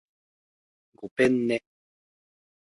ごぺんね